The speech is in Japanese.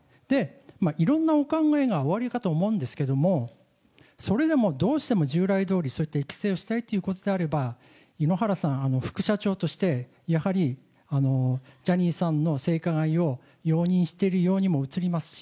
いろんなお考えがおありかと思うんですけども、それでもどうしても従来どおりそうやって育成をしたいということであれば、井ノ原さん、副社長として、やはりジャニーさんの性加害を容認しているようにも映りますし。